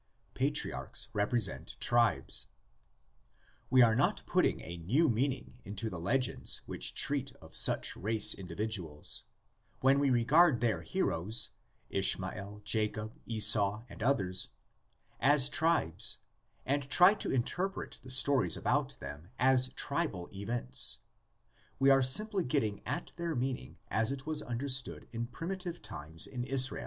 PATRIARCHS REPRESENT TRIBES. We are not putting a new meaning into the legends which treat of such race individuals, when we regard their heroes, Ishmael, Jacob, Esau, and others, as tribes and try to interpret the stories about them as tribal events; we are simply getting at their meaning as it was understood in primitive times in Israel.